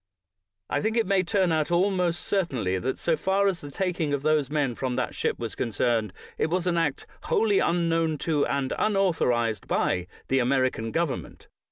I think it may turn out, almost certainly, that, so far as the taking of those men from that ship was concerned, it was an act wholly unknown to, and unauthorized by, the American government.